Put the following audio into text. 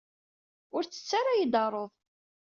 Ur ttettu ara ad iyi-d-tarud.